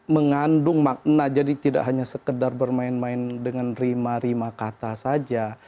mengandung makna jadi tidak hanya sekedar bermain main dengan rima rima kata saja